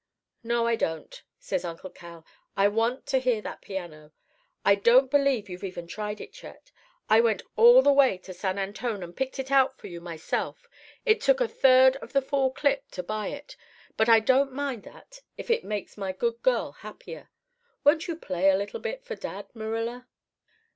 "'No, I don't,' says Uncle Cal. 'I want to hear that piano. I don't believe you've even tried it yet. I went all the way to San Antone and picked it out for you myself. It took a third of the fall clip to buy it; but I don't mind that if it makes my good girl happier. Won't you play a little bit for dad, Marilla?